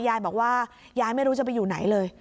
ยายบอกว่ายายไม่รู้จะไปอยู่ไหนเลย